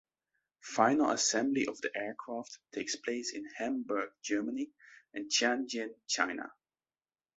Final assembly of the aircraft takes place in Hamburg, Germany and Tianjin, China.